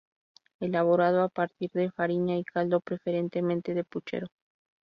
Elaborado a partir de fariña y caldo, preferentemente de puchero.